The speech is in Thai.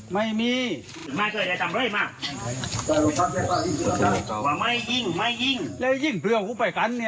ไม่มีมาเถอะอย่าจำเรื่อยมาไม่ยิงไม่ยิงแล้วยิ่งเพลืองกูไปกันเนี่ย